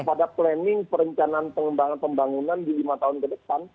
pada planning perencanaan pengembangan pembangunan di lima tahun ke depan